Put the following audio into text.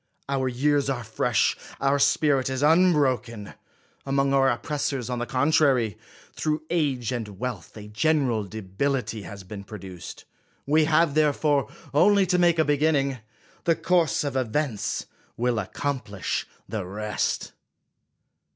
Our years are fresh, our spirit is unbroken ; among our oppressors, on the (jontrary, through age and wealth, a general de bility has been produced. We have therefore only to make a beginning; the course of events will accomplish the rest.